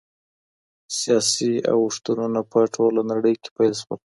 سياسي اوښتونونه په ټوله نړۍ کي پيل سول.